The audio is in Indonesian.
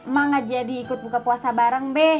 mak gak jadi ikut buka puasa bareng be